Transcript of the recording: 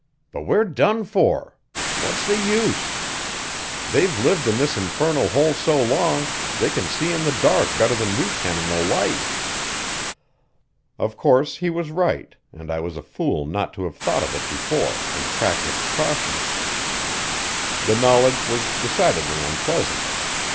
But we're done for. What's the use? They've lived in this infernal hole so long they can see in the dark better than we can in the light." Of course he was right, and I was a fool not to have thought of it before and practised caution. The knowledge was decidedly unpleasant.